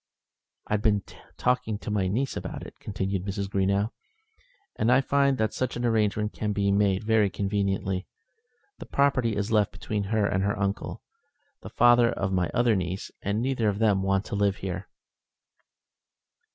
"I've been talking to my niece about it," continued Mrs. Greenow, "and I find that such an arrangement can be made very conveniently. The property is left between her and her uncle, the father of my other niece, and neither of them want to live here."